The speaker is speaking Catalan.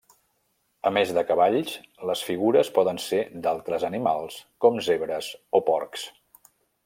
A més de cavalls les figures poden ser d'altres animals com zebres o porcs.